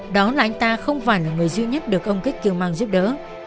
đó là anh ta không phải là người duy nhất được ông kích kiều mang giúp đỡ